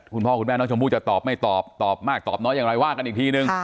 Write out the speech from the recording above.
คุณพ่อคุณแม่น้องชมพู่จะตอบไม่ตอบตอบมากตอบน้อยอย่างไรว่ากันอีกทีนึง